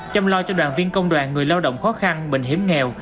chăm lo cho đoàn viên công đoàn người lao động khó khăn bệnh hiểm nghèo